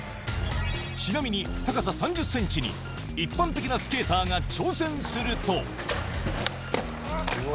ちなみに、高さ３０センチに一般的なスケーターが挑戦すると。